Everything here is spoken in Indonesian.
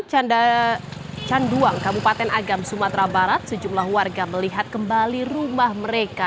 canda canduang kabupaten agam sumatera barat sejumlah warga melihat kembali rumah mereka